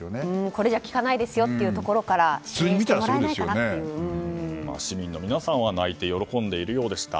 これじゃあ効かないですよというところから市民の皆さんは泣いて喜んでいるようでした。